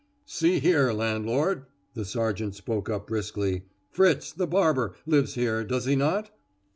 "See here, landlord!" the sergeant spoke up briskly. "Fritz, the barber, lives here, does he not?"